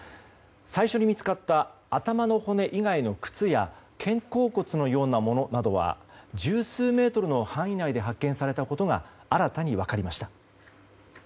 最初に見つかった頭の骨以外の靴や肩甲骨のようなものなどは十数メートルの範囲内で発見されたことが新たに分かりました。